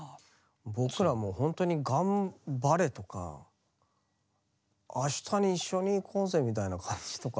僕らもうほんとに「頑張れ」とか「明日に一緒に行こうぜ」みたいな感じとか。